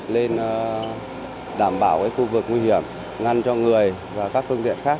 lên đảm bảo khu vực nguy hiểm ngăn cho người và các phương tiện khác